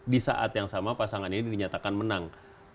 di saat yang sama pasangan ini dinyatakan menang